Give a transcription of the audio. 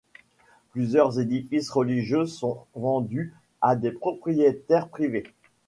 Plusieurs édifices religieux sont vendues à des propriétaires privés.